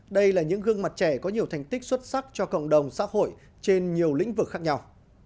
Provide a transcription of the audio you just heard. đây là những gương mặt trẻ có nhiều thành tích xuất sắc cho cộng đồng xã hội trên nhiều lĩnh vực khác nhau